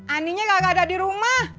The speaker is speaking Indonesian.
aninya gak ada di rumah